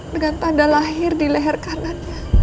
dengan tanda lahir di leher kanannya